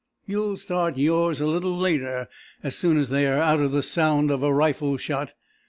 You'll start yours a little later as soon as they're out of sound of a rifle shot.